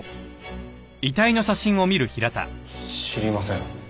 知りません。